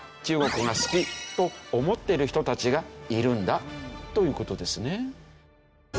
中国が好きと思ってる人たちがいるんだという事ですね。